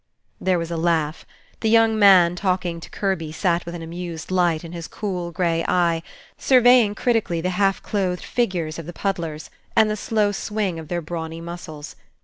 There was a laugh. The young man talking to Kirby sat with an amused light in his cool gray eye, surveying critically the half clothed figures of the puddlers, and the slow swing of their brawny muscles.